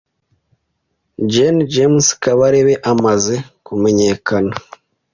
Gen James Kabarebe amaze kumenyekana